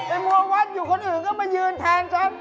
มัววัดอยู่คนอื่นก็มายืนแทนฉัน